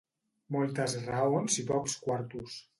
Moltes raons i pocs quartos.